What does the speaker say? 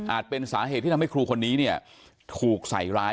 เป็นสาเหตุที่ทำให้ครูคนนี้เนี่ยถูกใส่ร้าย